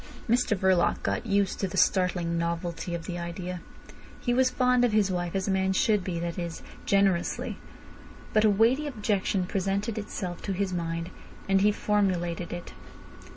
Mr Verloc got used to the startling novelty of the idea. He was fond of his wife as a man should be—that is, generously. But a weighty objection presented itself to his mind, and he formulated it.